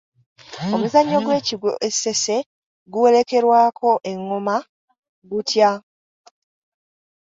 Omuzannyo gw’ekigwo e Ssese guwerekerwako engoma gutya?